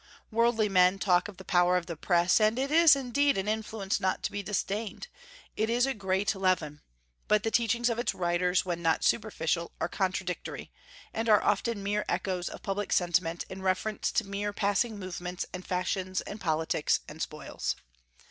Worldly men talk of the power of the press, and it is indeed an influence not to be disdained, it is a great leaven; but the teachings of its writers, when not superficial, are contradictory, and are often mere echoes of public sentiment in reference to mere passing movements and fashions and politics and spoils.